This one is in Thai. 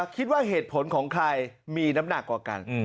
คิดว่าเหตุผลของใครมีน้ำหนักกว่ากัน